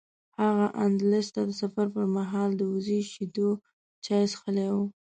هغه اندلس ته د سفر پر مهال د وزې شیدو چای څښلي و.